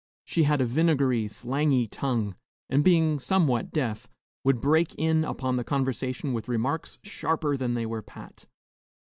She had a vinegary, slangy tongue, and being somewhat deaf, would break in upon the conversation with remarks sharper than they were pat.